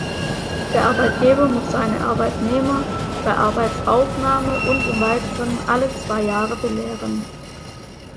Der Arbeitgeber muss seine Arbeitnehmer bei Arbeitsaufnahme und im Weiteren alle zwei Jahre belehren.